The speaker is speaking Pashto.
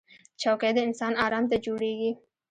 چوکۍ د انسان ارام ته جوړېږي